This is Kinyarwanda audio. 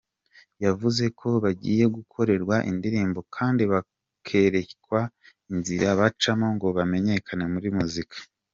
Yavuze ko bagiye gukorerwa indirimbo kandi bakerekwa inzira bacamo ngo bamenyekane muri muzika.